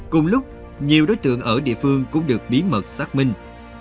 cùng lúc nhiều đối tượng ở địa phương cũng được bí mật xác minh